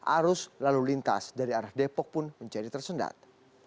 arus lalu lintas dari arah depok pun menjadi tersendat